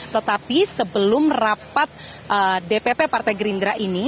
tetapi sebelum rapat dpp partai gerindra ini